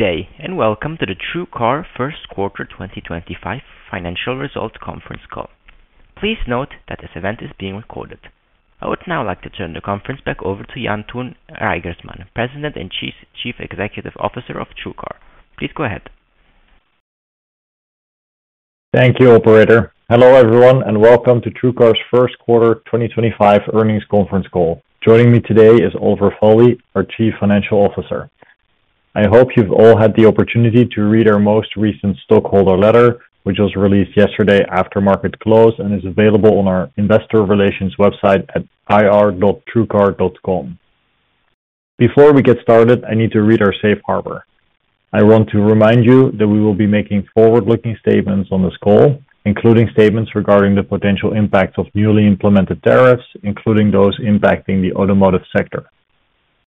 Good day, and welcome to the TrueCar First Quarter 2025 Financial Results Conference Call. Please note that this event is being recorded. I would now like to turn the conference back over to Jantoon Reigersman, President and Chief Executive Officer of TrueCar. Please go ahead. Thank you, Operator. Hello everyone, and welcome to TrueCar's First Quarter 2025 Earnings Conference Call. Joining me today is Oliver Foley, our Chief Financial Officer. I hope you've all had the opportunity to read our most recent stockholder letter, which was released yesterday after market close and is available on our investor relations website at ir.truecar.com. Before we get started, I need to read our safe harbor. I want to remind you that we will be making forward-looking statements on this call, including statements regarding the potential impacts of newly implemented tariffs, including those impacting the automotive sector.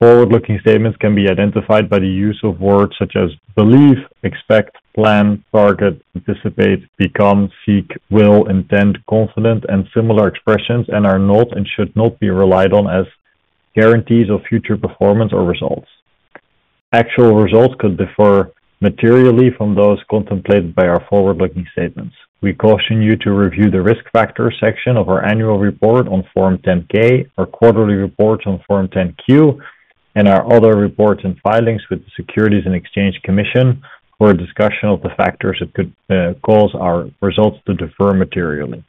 Forward-looking statements can be identified by the use of words such as believe, expect, plan, target, anticipate, become, seek, will, intend, confident, and similar expressions, and are not and should not be relied on as guarantees of future performance or results. Actual results could differ materially from those contemplated by our forward-looking statements. We caution you to review the risk factor section of our annual report on Form 10-K, our quarterly reports on Form 10-Q, and our other reports and filings with the Securities and Exchange Commission for a discussion of the factors that could cause our results to differ materially.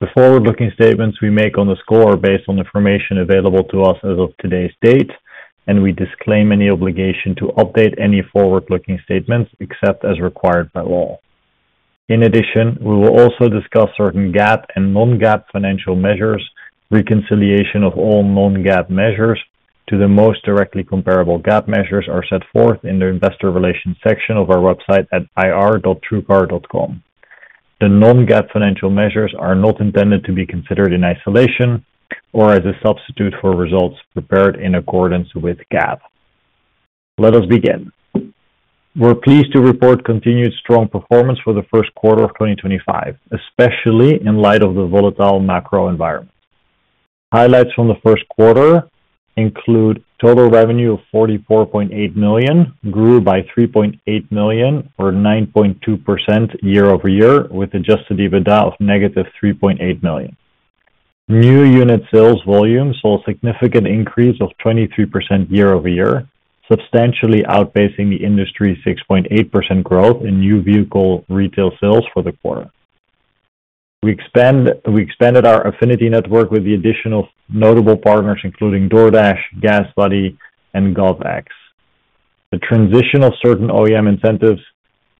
The forward-looking statements we make on this call are based on information available to us as of today's date, and we disclaim any obligation to update any forward-looking statements except as required by law. In addition, we will also discuss certain GAAP and non-GAAP financial measures. Reconciliation of all non-GAAP measures to the most directly comparable GAAP measures is set forth in the investor relations section of our website at ir.truecar.com. The non-GAAP financial measures are not intended to be considered in isolation or as a substitute for results prepared in accordance with GAAP. Let us begin. We're pleased to report continued strong performance for the first quarter of 2025, especially in light of the volatile macro environment. Highlights from the first quarter include total revenue of $44.8 million grew by $3.8 million, or 9.2% year-over-year, with adjusted EBITDA of -$3.8 million. New unit sales volume saw a significant increase of 23% year-over-year, substantially outpacing the industry's 6.8% growth in new vehicle retail sales for the quarter. We expanded our affinity network with the addition of notable partners, including DoorDash, GasBuddy, and GovX. The transition of certain OEM incentives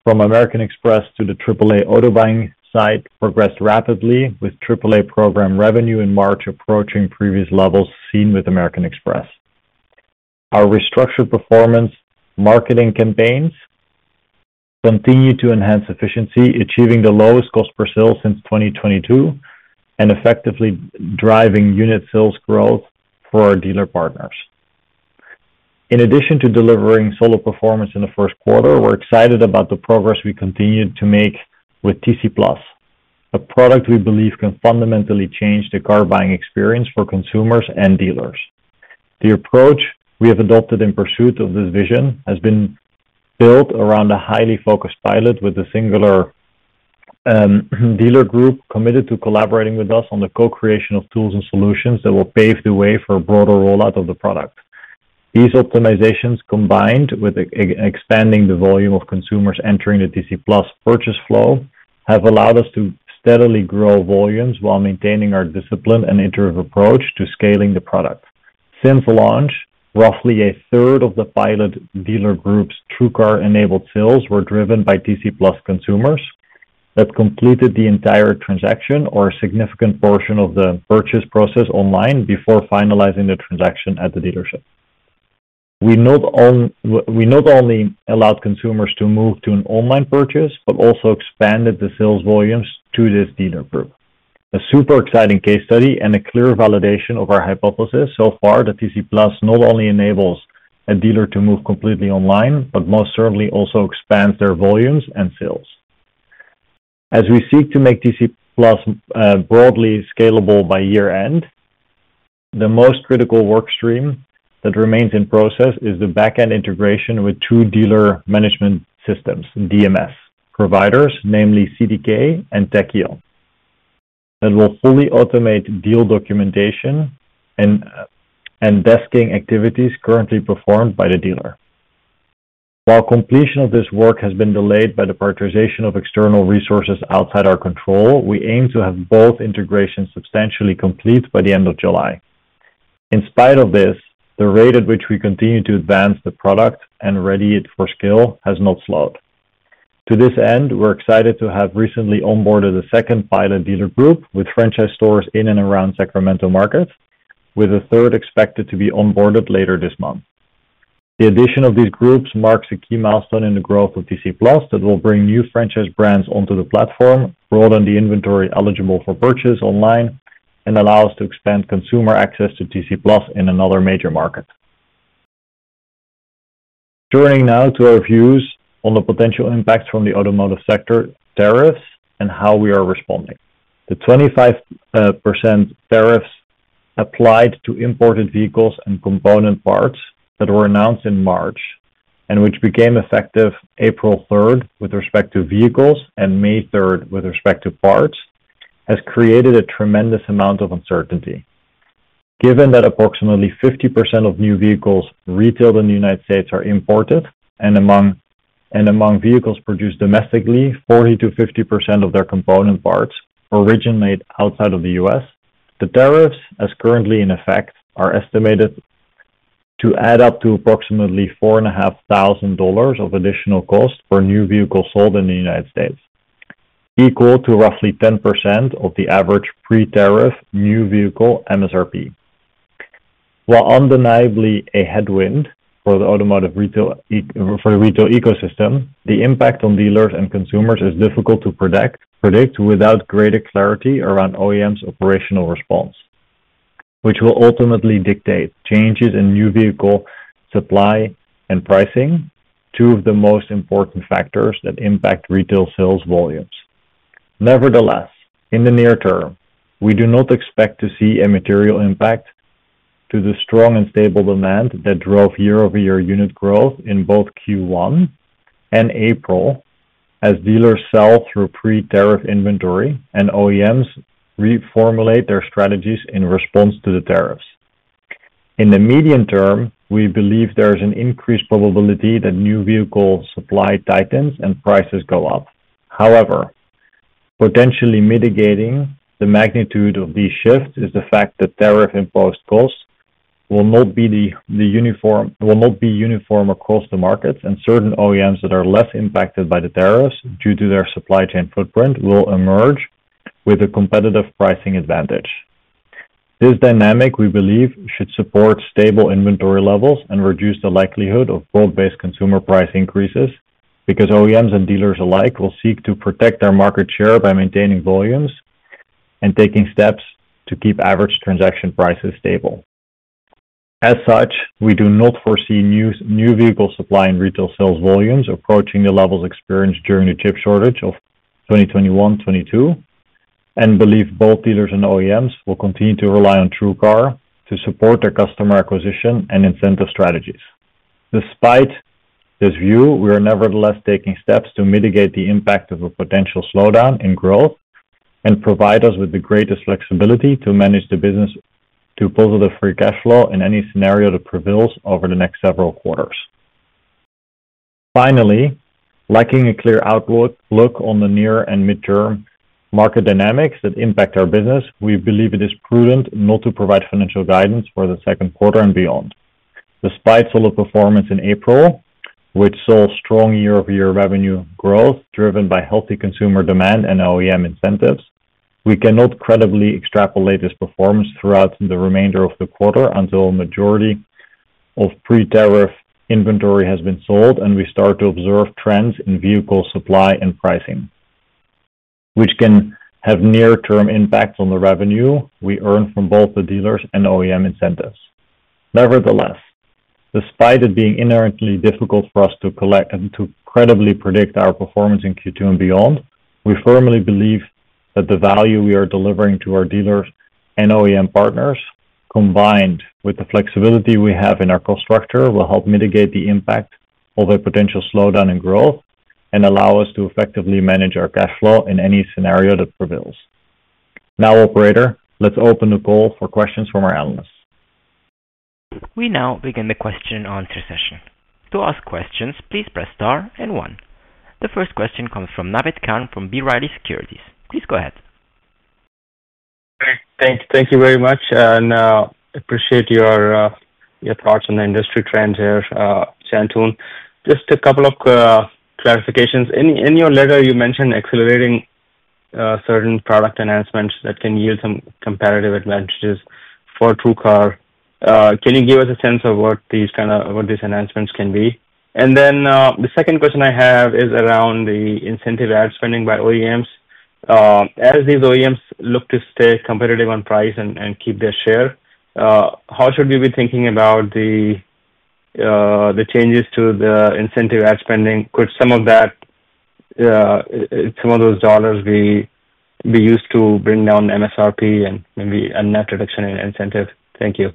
from American Express to the AAA auto buying side progressed rapidly, with AAA program revenue in March approaching previous levels seen with American Express. Our restructured performance marketing campaigns continue to enhance efficiency, achieving the lowest cost per sale since 2022 and effectively driving unit sales growth for our dealer partners. In addition to delivering solid performance in the first quarter, we're excited about the progress we continue to make with TC Plus, a product we believe can fundamentally change the car buying experience for consumers and dealers. The approach we have adopted in pursuit of this vision has been built around a highly focused pilot with a singular dealer group committed to collaborating with us on the co-creation of tools and solutions that will pave the way for a broader rollout of the product. These optimizations, combined with expanding the volume of consumers entering the TC Plus purchase flow, have allowed us to steadily grow volumes while maintaining our disciplined and iterative approach to scaling the product. Since launch, roughly a third of the pilot dealer group's TrueCar-enabled sales were driven by TC Plus consumers that completed the entire transaction or a significant portion of the purchase process online before finalizing the transaction at the dealership. We not only allowed consumers to move to an online purchase, but also expanded the sales volumes to this dealer group. A super exciting case study and a clear validation of our hypothesis so far that TC Plus not only enables a dealer to move completely online, but most certainly also expands their volumes and sales. As we seek to make TC Plus broadly scalable by year-end, the most critical workstream that remains in process is the back-end integration with two dealer management systems, DMS providers, namely CDK and Tekion, that will fully automate deal documentation and desking activities currently performed by the dealer. While completion of this work has been delayed by the prioritization of external resources outside our control, we aim to have both integrations substantially complete by the end of July. In spite of this, the rate at which we continue to advance the product and ready it for scale has not slowed. To this end, we're excited to have recently onboarded a second pilot dealer group with franchise stores in and around Sacramento markets, with a third expected to be onboarded later this month. The addition of these groups marks a key milestone in the growth of TC Plus that will bring new franchise brands onto the platform, broaden the inventory eligible for purchase online, and allow us to expand consumer access to TC Plus in another major market. Turning now to our views on the potential impacts from the automotive sector tariffs and how we are responding. The 25% tariffs applied to imported vehicles and component parts that were announced in March and which became effective April 3rd with respect to vehicles and May 3rd with respect to parts has created a tremendous amount of uncertainty. Given that approximately 50% of new vehicles retailed in the United States are imported and among vehicles produced domestically, 40%-50% of their component parts originate outside of the U.S., the tariffs, as currently in effect, are estimated to add up to approximately $4,500 of additional cost for new vehicles sold in the United States, equal to roughly 10% of the average pre-tariff new vehicle MSRP. While undeniably a headwind for the automotive retail ecosystem, the impact on dealers and consumers is difficult to predict without greater clarity around OEM's operational response, which will ultimately dictate changes in new vehicle supply and pricing, two of the most important factors that impact retail sales volumes. Nevertheless, in the near term, we do not expect to see a material impact to the strong and stable demand that drove year-over-year unit growth in both Q1 and April as dealers sell through pre-tariff inventory and OEMs reformulate their strategies in response to the tariffs. In the medium term, we believe there is an increased probability that new vehicle supply tightens and prices go up. However, potentially mitigating the magnitude of these shifts is the fact that tariff-imposed costs will not be uniform across the markets, and certain OEMs that are less impacted by the tariffs due to their supply chain footprint will emerge with a competitive pricing advantage. This dynamic, we believe, should support stable inventory levels and reduce the likelihood of broad-based consumer price increases because OEMs and dealers alike will seek to protect their market share by maintaining volumes and taking steps to keep average transaction prices stable. As such, we do not foresee new vehicle supply and retail sales volumes approaching the levels experienced during the chip shortage of 2021-2022, and believe both dealers and OEMs will continue to rely on TrueCar to support their customer acquisition and incentive strategies. Despite this view, we are nevertheless taking steps to mitigate the impact of a potential slowdown in growth and provide us with the greatest flexibility to manage the business to positive free cash flow in any scenario that prevails over the next several quarters. Finally, lacking a clear outlook on the near and midterm market dynamics that impact our business, we believe it is prudent not to provide financial guidance for the second quarter and beyond. Despite solid performance in April, which saw strong year-over-year revenue growth driven by healthy consumer demand and OEM incentives, we cannot credibly extrapolate this performance throughout the remainder of the quarter until a majority of pre-tariff inventory has been sold and we start to observe trends in vehicle supply and pricing, which can have near-term impacts on the revenue we earn from both the dealers and OEM incentives. Nevertheless, despite it being inherently difficult for us to credibly predict our performance in Q2 and beyond, we firmly believe that the value we are delivering to our dealers and OEM partners, combined with the flexibility we have in our cost structure, will help mitigate the impact of a potential slowdown in growth and allow us to effectively manage our cash flow in any scenario that prevails. Now, Operator, let's open the call for questions from our analysts. We now begin the question-and-answer session. To ask questions, please press star and one. The first question comes from Naved Khan from B. Riley Securities. Please go ahead. Thank you very much. I appreciate your thoughts on the industry trends here, Jantoon. Just a couple of clarifications. In your letter, you mentioned accelerating certain product announcements that can yield some competitive advantages for TrueCar. Can you give us a sense of what these announcements can be? The second question I have is around the incentive ad spending by OEMs. As these OEMs look to stay competitive on price and keep their share, how should we be thinking about the changes to the incentive ad spending? Could some of those dollars be used to bring down MSRP and maybe a net reduction in incentive? Thank you.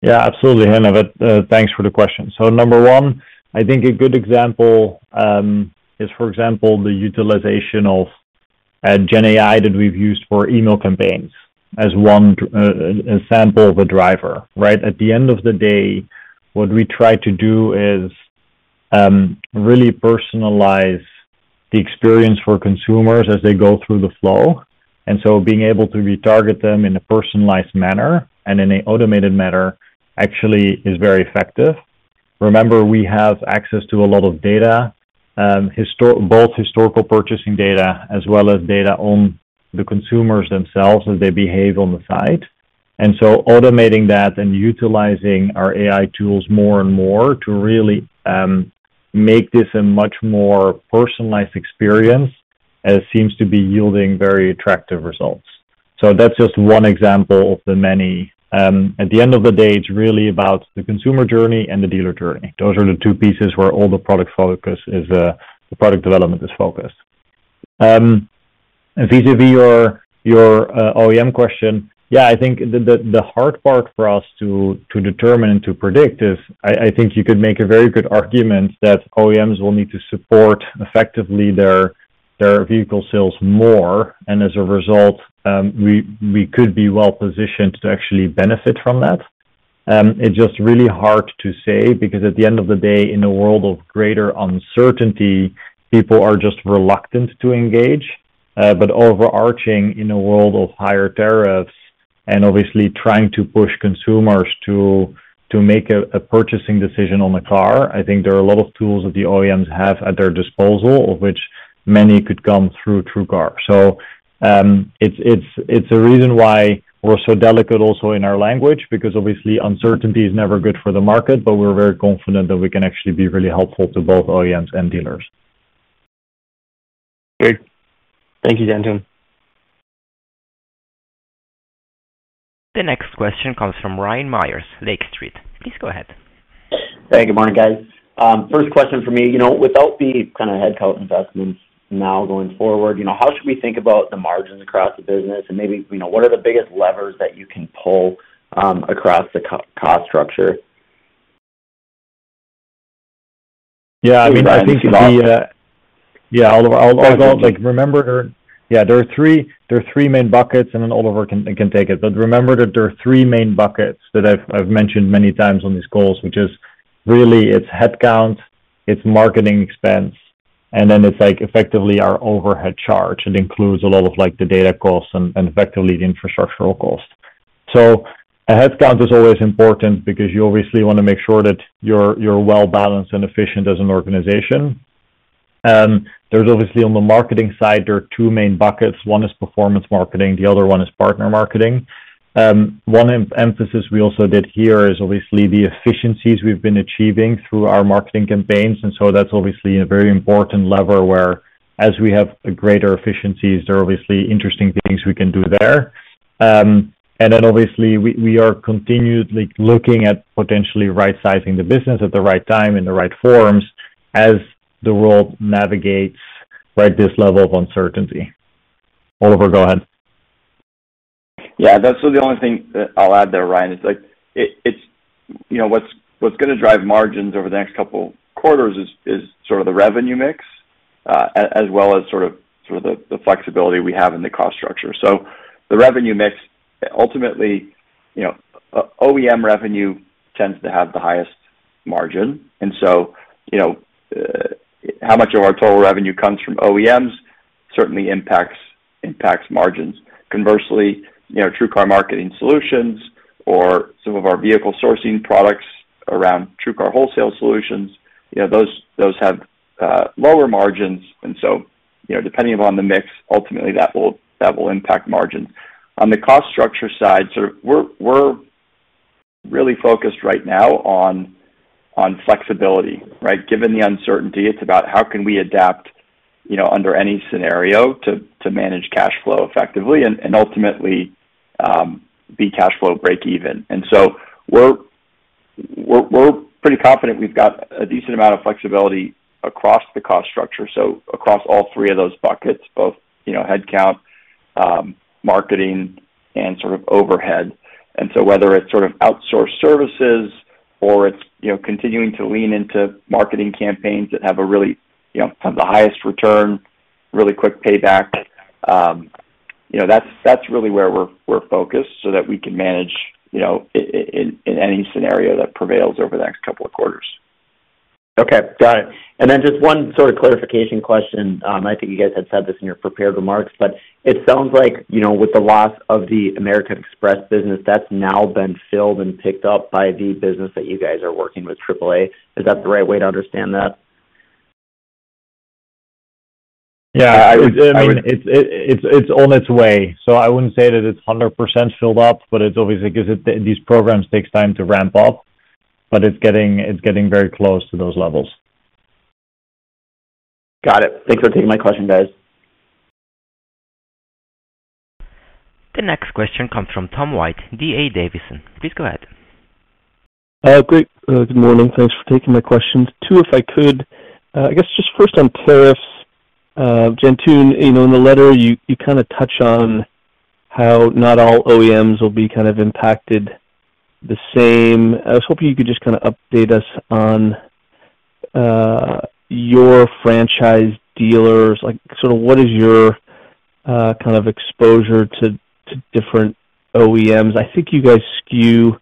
Yeah, absolutely, Naved. Thanks for the question. Number one, I think a good example is, for example, the utilization of GenAI that we've used for email campaigns as one sample of a driver. At the end of the day, what we try to do is really personalize the experience for consumers as they go through the flow. Being able to retarget them in a personalized manner and in an automated manner actually is very effective. Remember, we have access to a lot of data, both historical purchasing data as well as data on the consumers themselves as they behave on the site. Automating that and utilizing our AI tools more and more to really make this a much more personalized experience seems to be yielding very attractive results. That's just one example of the many. At the end of the day, it's really about the consumer journey and the dealer journey. Those are the two pieces where all the product development is focused. Vis-à-vis your OEM question, yeah, I think the hard part for us to determine and to predict is I think you could make a very good argument that OEMs will need to support effectively their vehicle sales more, and as a result, we could be well-positioned to actually benefit from that. It's just really hard to say because at the end of the day, in a world of greater uncertainty, people are just reluctant to engage. Overarching, in a world of higher tariffs and obviously trying to push consumers to make a purchasing decision on a car, I think there are a lot of tools that the OEMs have at their disposal, of which many could come through TrueCar. It's a reason why we're so delicate also in our language because obviously uncertainty is never good for the market, but we're very confident that we can actually be really helpful to both OEMs and dealers. Great. Thank you, Jantoon. The next question comes from Ryan Meyers, Lake Street. Please go ahead. Hey, good morning, guys. First question for me, without the kind of headcount investments now going forward, how should we think about the margins across the business? Maybe what are the biggest levers that you can pull across the cost structure? Yeah, I think the. That's very helpful. Yeah, Oliver, remember, there are three main buckets, and then Oliver can take it. Remember that there are three main buckets that I've mentioned many times on these calls, which is really it's headcount, it's marketing expense, and then it's effectively our overhead charge. It includes a lot of the data costs and effectively the infrastructural cost. A headcount is always important because you obviously want to make sure that you're well-balanced and efficient as an organization. Obviously on the marketing side, there are two main buckets. One is performance marketing. The other one is partner marketing. One emphasis we also did here is obviously the efficiencies we've been achieving through our marketing campaigns. That's obviously a very important lever where as we have greater efficiencies, there are obviously interesting things we can do there. We are continually looking at potentially right-sizing the business at the right time in the right forums as the world navigates this level of uncertainty. Oliver, go ahead. Yeah, that's the only thing I'll add there, Ryan. What's going to drive margins over the next couple of quarters is sort of the revenue mix as well as sort of the flexibility we have in the cost structure. The revenue mix, ultimately, OEM revenue tends to have the highest margin. And so how much of our total revenue comes from OEMs certainly impacts margins. Conversely, TrueCar Marketing Solutions or some of our vehicle sourcing products around TrueCar Wholesale Solutions, those have lower margins. Depending upon the mix, ultimately that will impact margins. On the cost structure side, we're really focused right now on flexibility. Given the uncertainty, it's about how can we adapt under any scenario to manage cash flow effectively and ultimately be cash flow break-even. We're pretty confident we've got a decent amount of flexibility across the cost structure, so across all three of those buckets, both headcount, marketing, and sort of overhead. Whether it's sort of outsourced services or it's continuing to lean into marketing campaigns that really have the highest return, really quick payback, that's really where we're focused so that we can manage in any scenario that prevails over the next couple of quarters. Okay, got it. And then just one sort of clarification question. I think you guys had said this in your prepared remarks, but it sounds like with the loss of the American Express business, that's now been filled and picked up by the business that you guys are working with AAA. Is that the right way to understand that? Yeah, I mean, it's on its way. I wouldn't say that it's 100% filled up, but it's obviously because these programs take time to ramp up, but it's getting very close to those levels. Got it. Thanks for taking my question, guys. The next question comes from Tom White, D.A. Davidson. Please go ahead. Great. Good morning. Thanks for taking my question. Two, if I could, I guess just first on tariffs. Jantoon, in the letter, you kind of touch on how not all OEMs will be kind of impacted the same. I was hoping you could just kind of update us on your franchise dealers. Sort of what is your kind of exposure to different OEMs? I think you guys skew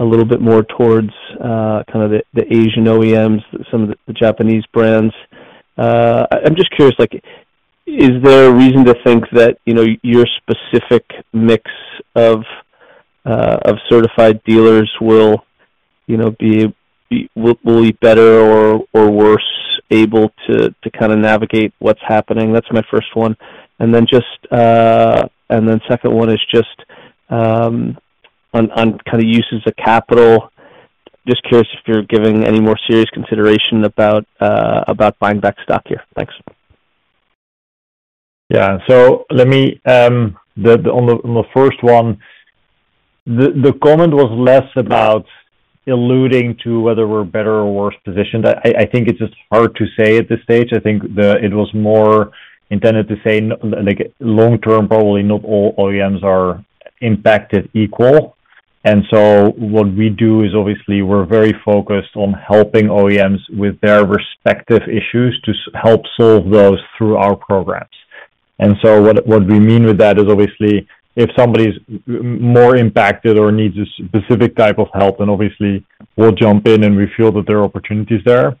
a little bit more towards kind of the Asian OEMs, some of the Japanese brands. I'm just curious, is there a reason to think that your specific mix of certified dealers will be better or worse able to kind of navigate what's happening? That's my first one. The second one is just on kind of uses of capital. Just curious if you're giving any more serious consideration about buying back stock here. Thanks. Yeah. On the first one, the comment was less about alluding to whether we're better or worse positioned. I think it's just hard to say at this stage. I think it was more intended to say long-term, probably not all OEMs are impacted equal. What we do is obviously we're very focused on helping OEMs with their respective issues to help solve those through our programs. What we mean with that is obviously if somebody's more impacted or needs a specific type of help, then obviously we'll jump in and we feel that there are opportunities there.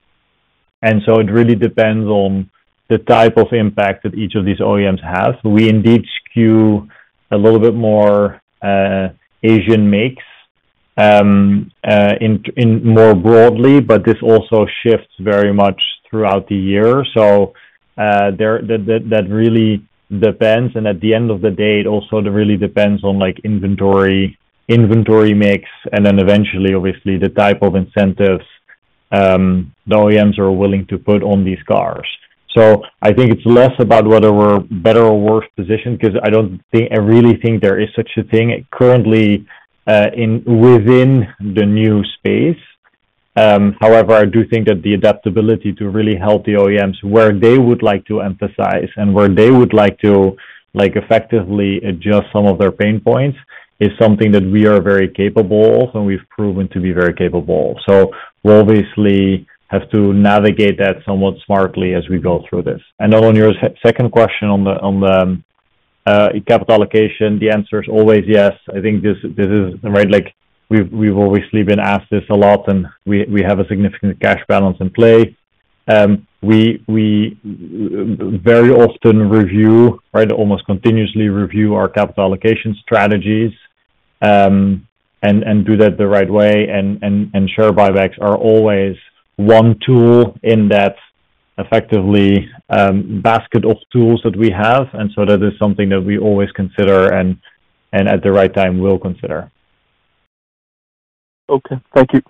It really depends on the type of impact that each of these OEMs has. We indeed skew a little bit more Asian makes more broadly, but this also shifts very much throughout the year. That really depends. At the end of the day, it also really depends on inventory mix and then eventually, obviously, the type of incentives the OEMs are willing to put on these cars. I think it is less about whether we are better or worse positioned because I really think there is such a thing currently within the new space. However, I do think that the adaptability to really help the OEMs where they would like to emphasize and where they would like to effectively adjust some of their pain points is something that we are very capable of and we have proven to be very capable of. We will obviously have to navigate that somewhat smartly as we go through this. On your second question on the capital allocation, the answer is always yes. I think this is, we've obviously been asked this a lot and we have a significant cash balance in play. We very often review, almost continuously review, our capital allocation strategies and do that the right way. Share buybacks are always one tool in that effectively basket of tools that we have. That is something that we always consider and at the right time will consider. Okay. Thank you.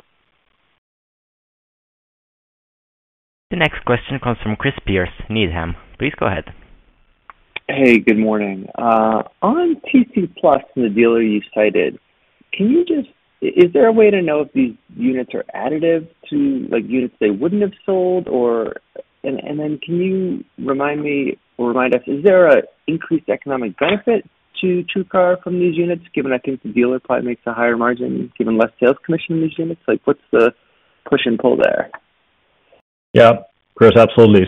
The next question comes from Chris Pierce, Needham. Please go ahead. Hey, good morning. On TC Plus, the dealer you cited, is there a way to know if these units are additive to units they wouldn't have sold? Can you remind me or remind us, is there an increased economic benefit to TrueCar from these units given I think the dealer probably makes a higher margin given less sales commission on these units? What's the push and pull there? Yeah, Chris, absolutely.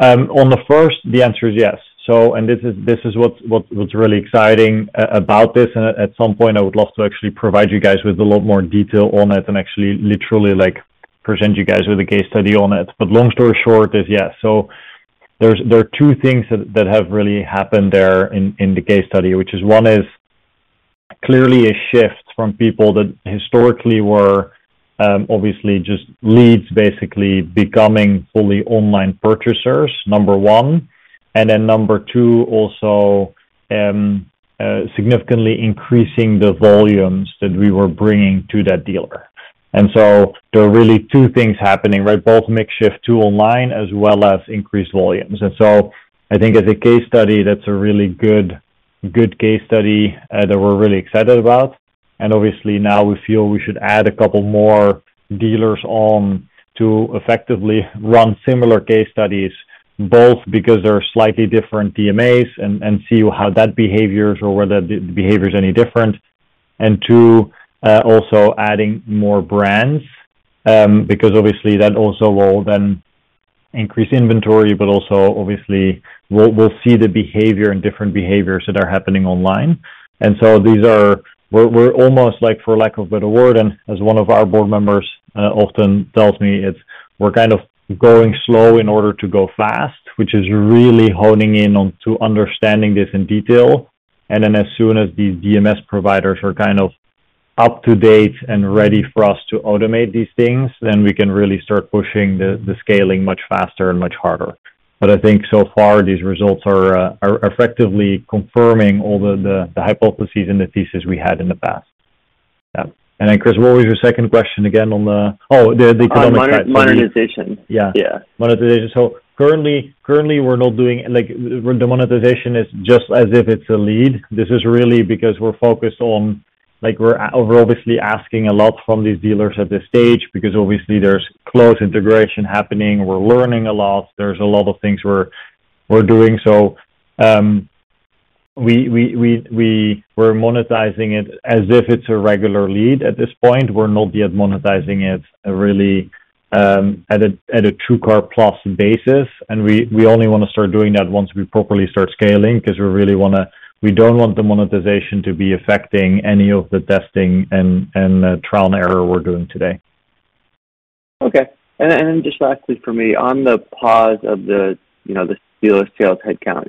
On the first, the answer is yes. This is what's really exciting about this. At some point, I would love to actually provide you guys with a lot more detail on it and actually literally present you guys with a case study on it. Long story short is yes. There are two things that have really happened there in the case study, which is one is clearly a shift from people that historically were obviously just leads basically becoming fully online purchasers, number one. Number two, also significantly increasing the volumes that we were bringing to that dealer. There are really two things happening, both makeshift to online as well as increased volumes. I think as a case study, that's a really good case study that we're really excited about. Obviously now we feel we should add a couple more dealers on to effectively run similar case studies, both because there are slightly different DMAs and see how that behavior or whether the behavior is any different, and two, also adding more brands because obviously that also will then increase inventory, but also obviously we will see the behavior and different behaviors that are happening online. We are almost, for lack of a better word, and as one of our board members often tells me, we are kind of going slow in order to go fast, which is really honing in on to understanding this in detail. As soon as these DMS providers are kind of up to date and ready for us to automate these things, we can really start pushing the scaling much faster and much harder. I think so far these results are effectively confirming all the hypotheses and the thesis we had in the past. Yeah. Chris, what was your second question again on the, oh, the economic benefit? Monetization. Yeah. Monetization. Currently we're not doing the monetization, it's just as if it's a lead. This is really because we're focused on, we're obviously asking a lot from these dealers at this stage because obviously there's close integration happening. We're learning a lot. There's a lot of things we're doing. We're monetizing it as if it's a regular lead at this point. We're not yet monetizing it really at a TrueCar Plus basis. We only want to start doing that once we properly start scaling because we really want to, we don't want the monetization to be affecting any of the testing and trial and error we're doing today. Okay. And then just lastly for me, on the pause of the dealer sales headcount,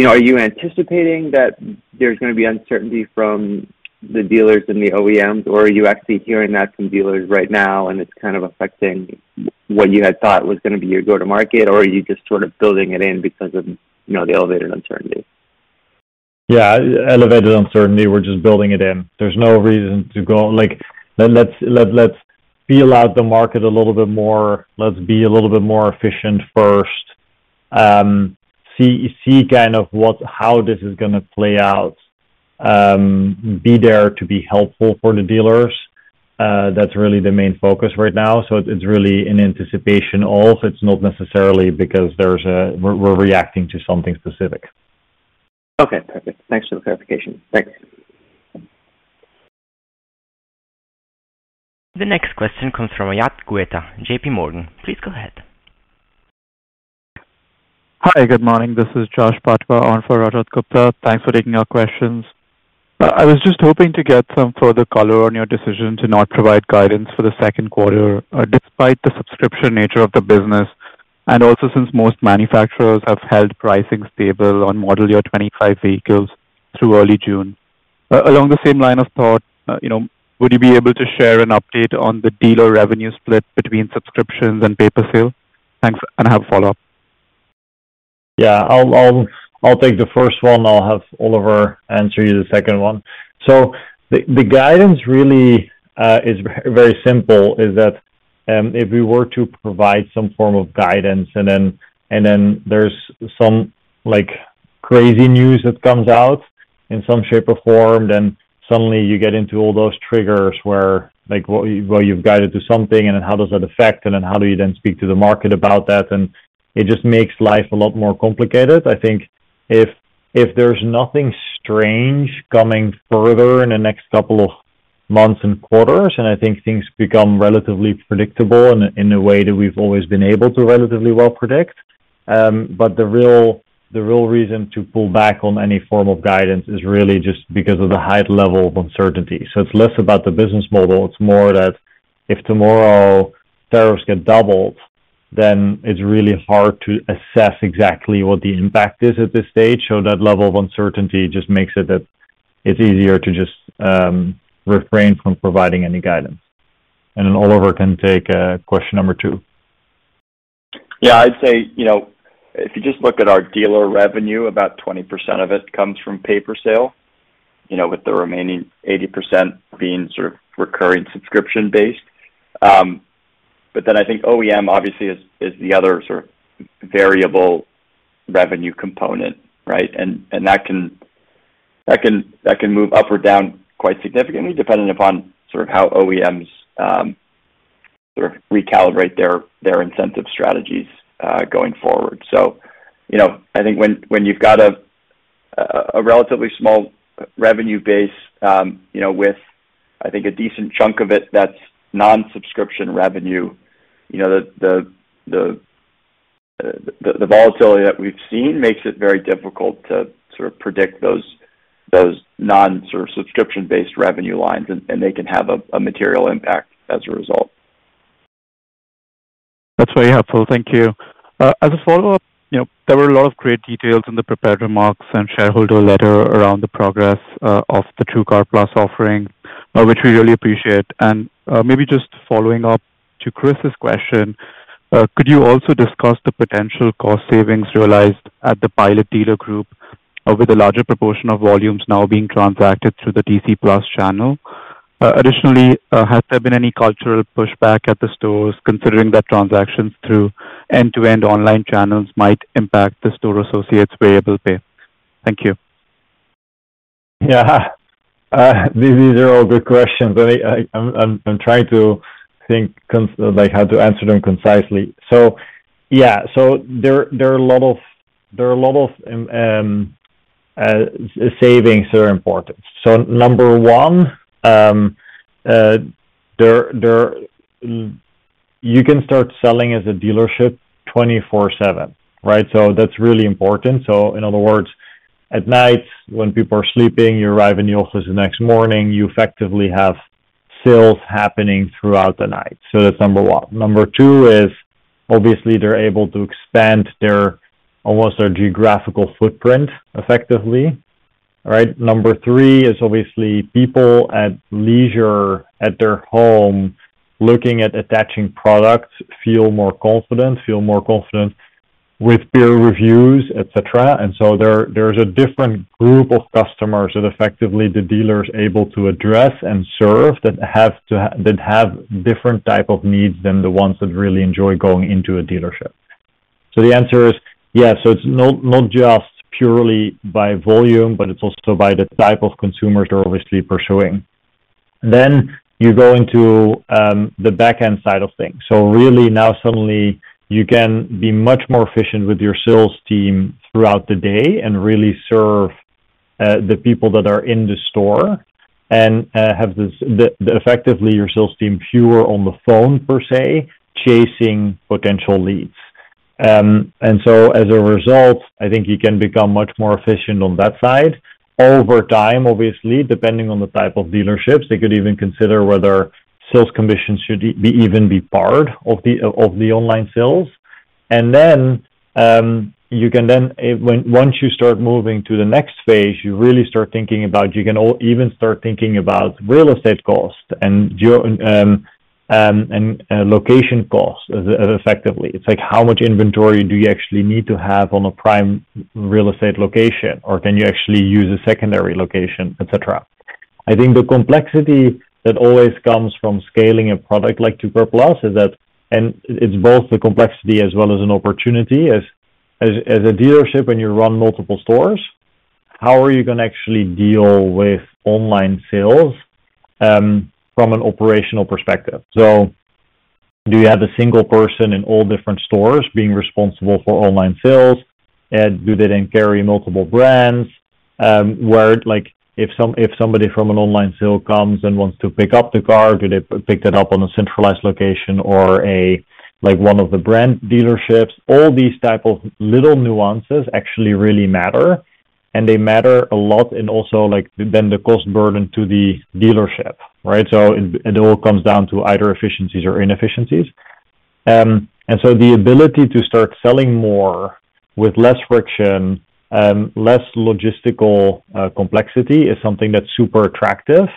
are you anticipating that there's going to be uncertainty from the dealers and the OEMs, or are you actually hearing that from dealers right now and it's kind of affecting what you had thought was going to be your go-to-market, or are you just sort of building it in because of the elevated uncertainty? Yeah, elevated uncertainty. We're just building it in. There's no reason to go, "Let's feel out the market a little bit more. Let's be a little bit more efficient first. See kind of how this is going to play out. Be there to be helpful for the dealers." That's really the main focus right now. It is really in anticipation of. It is not necessarily because we're reacting to something specific. Okay. Perfect. Thanks for the clarification. Thanks. The next question comes from Rajat Gupta, JPMorgan. Please go ahead. Hi, good morning. This is Jash Patwa on for Rajat Gupta. Thanks for taking our questions. I was just hoping to get some further color on your decision to not provide guidance for the second quarter despite the subscription nature of the business and also since most manufacturers have held pricing stable on model year 2025 vehicles through early June. Along the same line of thought, would you be able to share an update on the dealer revenue split between subscriptions and paper sale? Thanks. I have a follow-up. Yeah, I'll take the first one. I'll have Oliver answer you the second one. The guidance really is very simple is that if we were to provide some form of guidance and then there's some crazy news that comes out in some shape or form, then suddenly you get into all those triggers where you've guided to something and then how does that affect and then how do you then speak to the market about that? It just makes life a lot more complicated. I think if there's nothing strange coming further in the next couple of months and quarters, I think things become relatively predictable in a way that we've always been able to relatively well predict. The real reason to pull back on any form of guidance is really just because of the high level of uncertainty. It's less about the business model. It's more that if tomorrow tariffs get doubled, then it's really hard to assess exactly what the impact is at this stage. That level of uncertainty just makes it that it's easier to just refrain from providing any guidance. Oliver can take question number two. Yeah, I'd say if you just look at our dealer revenue, about 20% of it comes from paper sale, with the remaining 80% being sort of recurring subscription-based. I think OEM obviously is the other sort of variable revenue component, right? That can move up or down quite significantly depending upon sort of how OEMs sort of recalibrate their incentive strategies going forward. I think when you've got a relatively small revenue base with, I think, a decent chunk of it that's non-subscription revenue, the volatility that we've seen makes it very difficult to sort of predict those non-subscription-based revenue lines, and they can have a material impact as a result. That's very helpful. Thank you. As a follow-up, there were a lot of great details in the prepared remarks and shareholder letter around the progress of the TrueCar Plus offering, which we really appreciate. Maybe just following up to Chris's question, could you also discuss the potential cost savings realized at the pilot dealer group with a larger proportion of volumes now being transacted through the TC Plus channel? Additionally, has there been any cultural pushback at the stores considering that transactions through end-to-end online channels might impact the store associates' variable pay? Thank you. Yeah. These are all good questions. I'm trying to think how to answer them concisely. Yeah, there are a lot of savings that are important. Number one, you can start selling as a dealership 24/7, right? That's really important. In other words, at night, when people are sleeping, you arrive in the office the next morning, you effectively have sales happening throughout the night. That's number one. Number two is obviously they're able to expand almost their geographical footprint effectively, right? Number three is obviously people at leisure at their home looking at attaching products feel more confident, feel more confident with peer reviews, etc. There's a different group of customers that effectively the dealer is able to address and serve that have different types of needs than the ones that really enjoy going into a dealership. The answer is yes. It's not just purely by volume, but it's also by the type of consumers they're obviously pursuing. You go into the backend side of things. Really, now suddenly you can be much more efficient with your sales team throughout the day and really serve the people that are in the store and have effectively your sales team fewer on the phone per se chasing potential leads. As a result, I think you can become much more efficient on that side over time, obviously, depending on the type of dealerships. They could even consider whether sales commissions should even be part of the online sales. Once you start moving to the next phase, you really start thinking about, you can even start thinking about real estate costs and location costs effectively. It's like how much inventory do you actually need to have on a prime real estate location, or can you actually use a secondary location, etc.? I think the complexity that always comes from scaling a product like TrueCar Plus is that, and it's both the complexity as well as an opportunity as a dealership when you run multiple stores, how are you going to actually deal with online sales from an operational perspective? Do you have a single person in all different stores being responsible for online sales? Do they then carry multiple brands? If somebody from an online sale comes and wants to pick up the car, do they pick that up on a centralized location or one of the brand dealerships? All these types of little nuances actually really matter, and they matter a lot in also then the cost burden to the dealership, right? It all comes down to either efficiencies or inefficiencies. The ability to start selling more with less friction, less logistical complexity is something that's super attractive.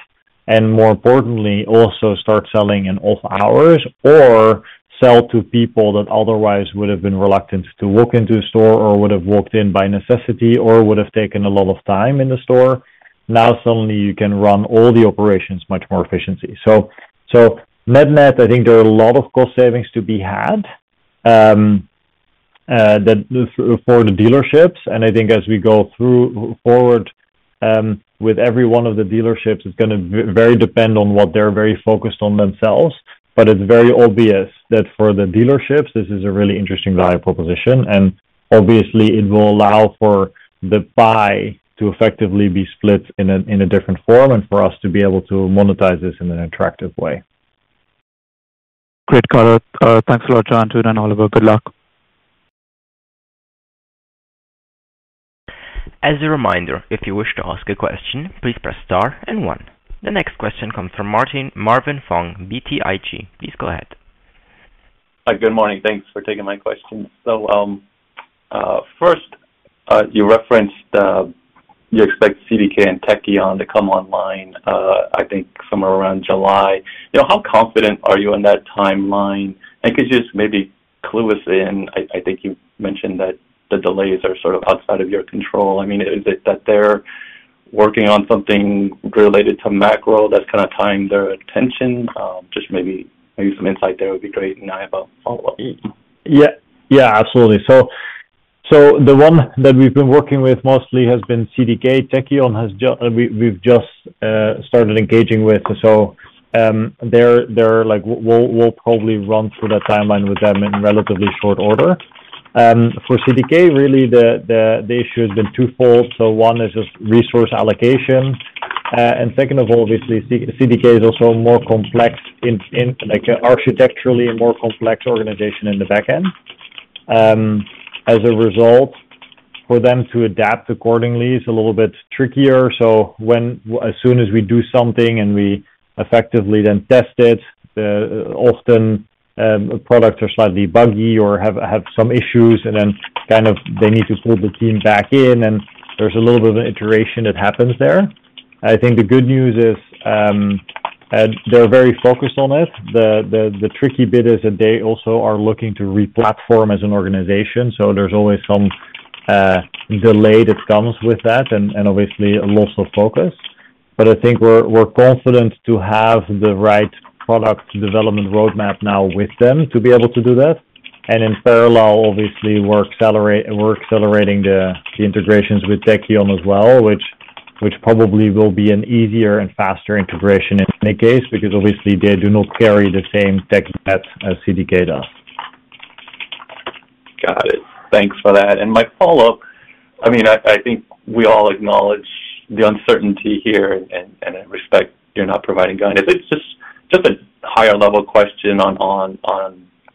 More importantly, also start selling in off-hours or sell to people that otherwise would have been reluctant to walk into a store or would have walked in by necessity or would have taken a lot of time in the store. Now suddenly you can run all the operations much more efficiently. Net-net, I think there are a lot of cost savings to be had for the dealerships. I think as we go forward with every one of the dealerships, it's going to very depend on what they're very focused on themselves. It's very obvious that for the dealerships, this is a really interesting value proposition. It will allow for the buy to effectively be split in a different form and for us to be able to monetize this in an attractive way. Great. Thanks a lot, Jantoon and Oliver. Good luck. As a reminder, if you wish to ask a question, please press star and one. The next question comes from Marvin Fong, BTIG. Please go ahead. Good morning. Thanks for taking my question. First, you referenced you expect CDK and Tekion to come online, I think, somewhere around July. How confident are you on that timeline? Could you just maybe clue us in? I think you mentioned that the delays are sort of outside of your control. I mean, is it that they're working on something related to macro that's kind of tying their attention? Just maybe some insight there would be great. I have a follow-up. Yeah, absolutely. The one that we've been working with mostly has been CDK. Tekion, we've just started engaging with. We'll probably run through that timeline with them in relatively short order. For CDK, really, the issue has been twofold. One is just resource allocation. Second of all, obviously, CDK is also more complex, architecturally a more complex organization in the backend. As a result, for them to adapt accordingly is a little bit trickier. As soon as we do something and we effectively then test it, often products are slightly buggy or have some issues, and then they need to pull the team back in, and there's a little bit of an iteration that happens there. I think the good news is they're very focused on it. The tricky bit is that they also are looking to replatform as an organization. There is always some delay that comes with that and obviously a loss of focus. I think we're confident to have the right product development roadmap now with them to be able to do that. In parallel, obviously, we're accelerating the integrations with Tekion as well, which probably will be an easier and faster integration in that case because obviously they do not carry the same tech debt as CDK does. Got it. Thanks for that. My follow-up, I mean, I think we all acknowledge the uncertainty here and respect you're not providing guidance. It's just a higher-level question on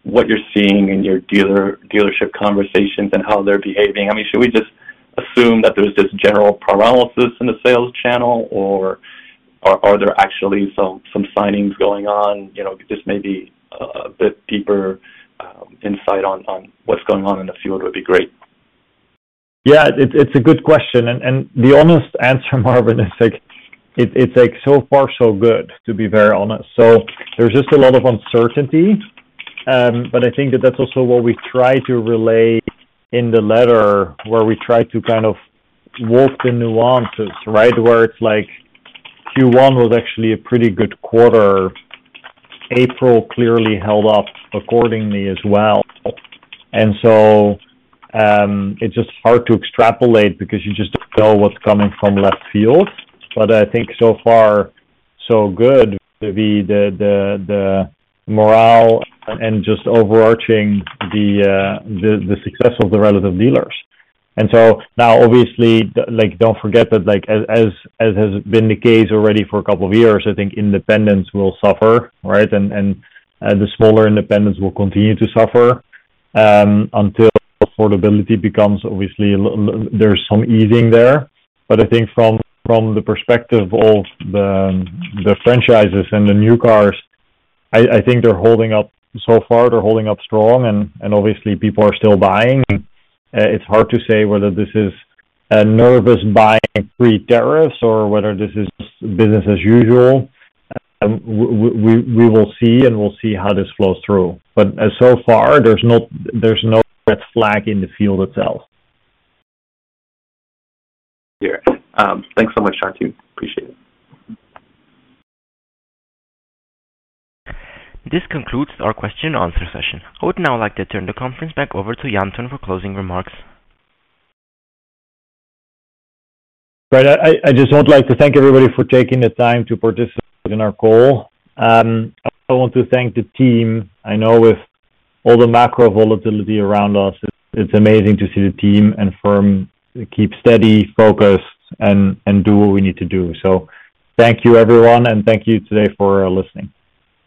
what you're seeing in your dealership conversations and how they're behaving. I mean, should we just assume that there's this general paralysis in the sales channel, or are there actually some signings going on? Just maybe a bit deeper insight on what's going on in the field would be great. Yeah, it's a good question. The honest answer, Marvin, is so far so good, to be very honest. There's just a lot of uncertainty. I think that's also what we try to relay in the letter where we try to kind of walk the nuances, right? Where it's like Q1 was actually a pretty good quarter. April clearly held up accordingly as well. It's just hard to extrapolate because you just don't know what's coming from left field. I think so far so good, the morale and just overarching the success of the relative dealers. Now, obviously, don't forget that as has been the case already for a couple of years, I think independents will suffer, right? The smaller independents will continue to suffer until affordability becomes, obviously, there's some easing there. I think from the perspective of the franchises and the new cars, I think they're holding up so far, they're holding up strong, and obviously people are still buying. It's hard to say whether this is a nervous buying pre-tariffs or whether this is business as usual. We will see, and we'll see how this flows through. So far, there's no red flag in the field itself. Yeah. Thanks so much, Jantoon. Appreciate it. This concludes our question-and-answer session. I would now like to turn the conference back over to Jantoon for closing remarks. Right. I just would like to thank everybody for taking the time to participate in our call. I want to thank the team. I know with all the macro volatility around us, it's amazing to see the team and firm keep steady, focused, and do what we need to do. Thank you, everyone, and thank you today for listening.